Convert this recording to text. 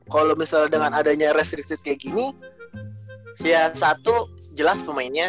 kalau misalnya dengan adanya restriksit kayak gini ya satu jelas pemainnya